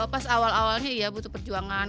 pas awal awalnya iya butuh perjuangan